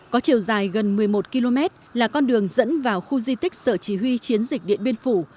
có chiều dài gần một mươi một km là con đường dẫn vào khu di tích sở chỉ huy chiến dịch điện biên phủ